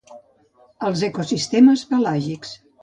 Els ecosistemes pelàgics